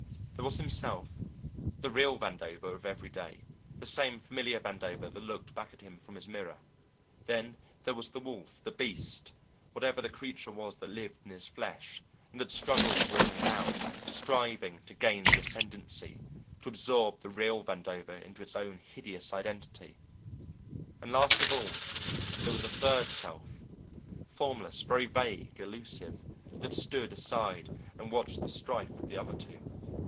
There was himself, the real Vandover of every day, the same familiar Vandover that looked back at him from his mirror; then there was the wolf, the beast, whatever the creature was that lived in his flesh, and that struggled with him now, striving to gain the ascendency, to absorb the real Vandover into its own hideous identity; and last of all, there was a third self, formless, very vague, elusive, that stood aside and watched the strife of the other two.